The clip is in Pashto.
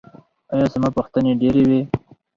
ایا زما پوښتنې ډیرې وې؟